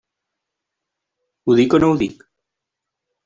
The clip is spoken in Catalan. Ho dic o no ho dic?